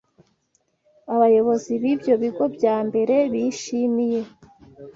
Abayobozi b’ibyo bigo bya mbere bishimiye